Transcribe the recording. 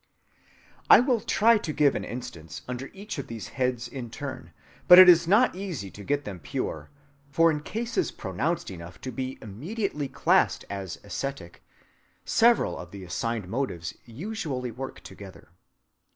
I will try to give an instance under each of these heads in turn; but it is not easy to get them pure, for in cases pronounced enough to be immediately classed as ascetic, several of the assigned motives usually work together.